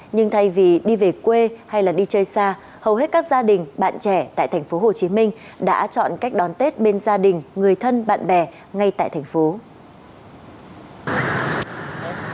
nhưng thay vì đi về quê hay đi chơi xa hầu hết các gia đình bạn trẻ tại tp hcm đã chọn cách đón tết bên gia đình người thân bạn bè ngay tại thành phố